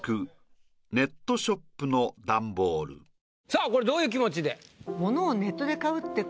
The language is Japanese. さぁこれどういう気持ちで？